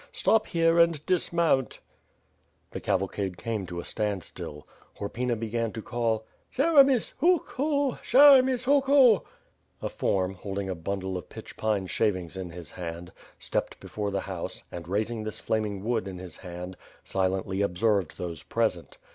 Stop here, and dismount." The cavalcade came to a standstill. Horpyna began to call: "Cheremis! Huku! Cheremis! Huku!" A form, holding a bundle of pitch pine shavings in his hand, stepped before the house and, raising this flaming wood in his hand, silently observed those present.